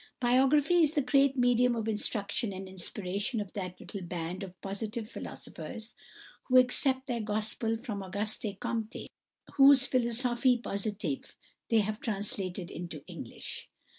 Biography is the great medium of instruction and inspiration of that little band of Positive philosophers who accept their gospel from Auguste Comte, whose "Philosophie Positive" they have translated into English.